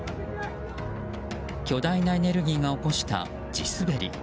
巨大なエネルギーが起こした地滑り。